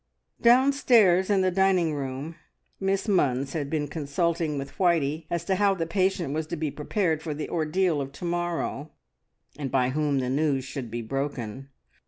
Downstairs in the dining room Miss Munns had been consulting with Whitey as to how the patient was to be prepared for the ordeal of to morrow, and by whom the news should be broken.